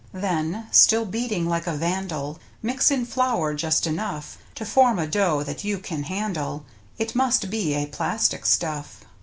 Then, still beating like a Vandal, Mix in flour just enough To form dough that you can handle — It must be a plastic stuff.